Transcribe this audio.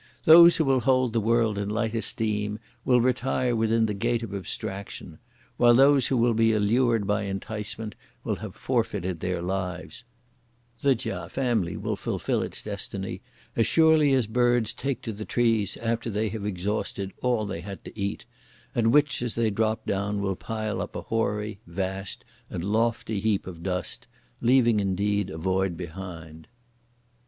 Those who will hold the world in light esteem will retire within the gate of abstraction; while those who will be allured by enticement will have forfeited their lives (The Chia family will fulfil its destiny) as surely as birds take to the trees after they have exhausted all they had to eat, and which as they drop down will pile up a hoary, vast and lofty heap of dust, (leaving) indeed a void behind!